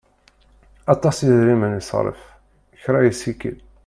Aṭas n yedrimen i iṣerref kra yessikil.